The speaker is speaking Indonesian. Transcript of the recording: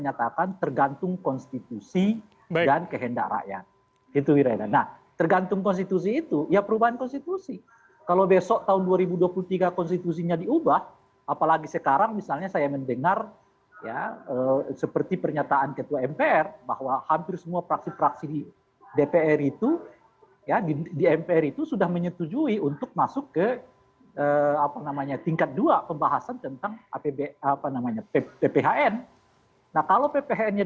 ya kita akan ikut juga kira kira gitu loh